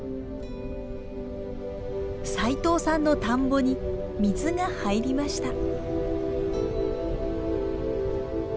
齋藤さんの田んぼに水が入りました。